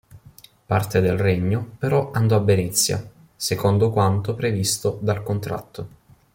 Parte del regno però andò a Venezia, secondo quanto previsto dal contratto.